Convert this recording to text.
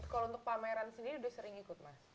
kalau pameran sendiri udah sering ikut mas